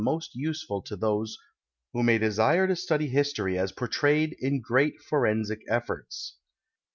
ost useful to those who may desire to stud}' history as portrayed in great forensic efforts.